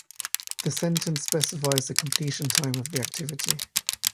The sentence specifies the completion time of the activity.